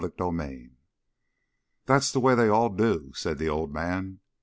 CHAPTER 14 "That's the way they all do," said the old man.